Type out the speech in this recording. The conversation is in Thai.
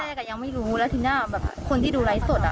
ตอนแรกอะยังไม่รู้แล้วทีหน้าคนที่ดูไลฟ์สดอะ